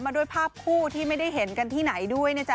ด้วยภาพคู่ที่ไม่ได้เห็นกันที่ไหนด้วยนะจ๊